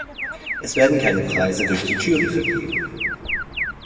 Es werden keine Preise durch die Jury vergeben.